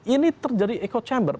ini terjadi echo chamber